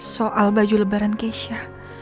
soal baju lebaran keisha